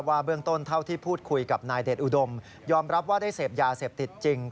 เบื้องต้นเท่าที่พูดคุยกับนายเดชอุดมยอมรับว่าได้เสพยาเสพติดจริง